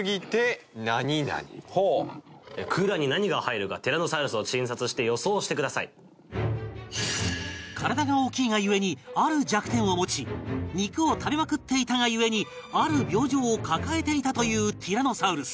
空欄に何が入るかティラノサウルスを体が大きいが故にある弱点を持ち肉を食べまくっていたが故にある病状を抱えていたというティラノサウルス